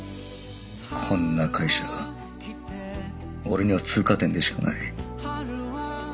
こんな会社俺には通過点でしかない。